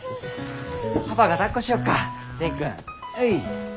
パパがだっこしよっか蓮くん。